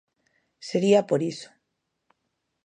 Sería por iso.